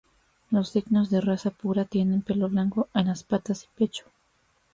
Los dingos de raza pura tienen pelo blanco en las patas y pecho.